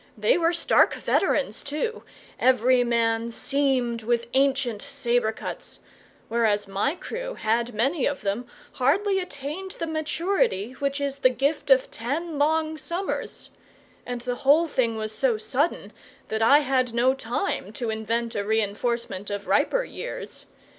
They were stark veterans, too, every man seamed with ancient sabre cuts, whereas my crew had many of them hardly attained the maturity which is the gift of ten long summers and the whole thing was so sudden that I had no time to invent a reinforcement of riper years.